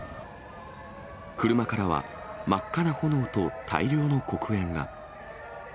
車からは真っ赤な炎と大量の黒煙が。